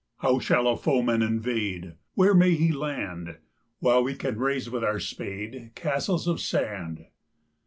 How shall a foeman invade, Where may he land, While we can raise with our spade Castles of sand?